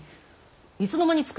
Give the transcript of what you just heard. いつの間に作った？